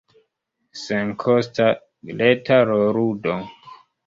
Senkosta, reta rolludo.